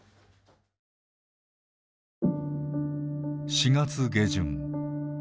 ４月下旬